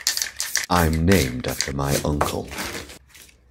I'm named after my uncle.